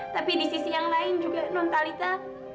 tapi di sisi yang lain juga non talita